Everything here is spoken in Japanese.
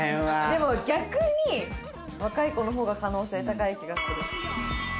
でも逆に若い子の方が可能性高い気がする。